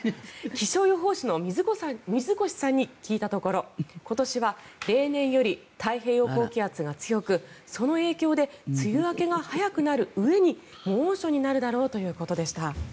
気象予報士の水越さんに聞いたところ今年は例年より太平洋高気圧が強くその影響で梅雨明けが早くなるうえに猛暑になるだろうということでした。